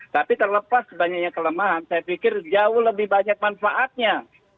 tapi terlepas banyaknya kelemahan saya pikir jauh lebih banyak manfaatnya